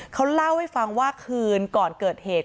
เขาเล่าให้ฟังว่าคืนก่อนเกิดเหตุ